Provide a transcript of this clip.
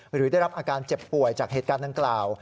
หรือได้รับอาการเจ็บป่วยจากเหตุการณ์ดังกล่าว